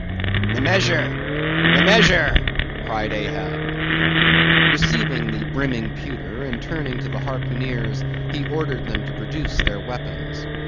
"The measure! the measure!" cried Ahab. Receiving the brimming pewter, and turning to the harpooneers, he ordered them to produce their weapons.